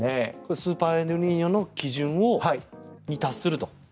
スーパーエルニーニョの基準に達すると。